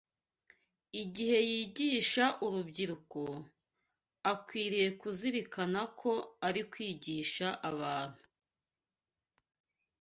Igihe yigisha urubyiruko, akwiriye kuzirikana ko ari kwigisha abantu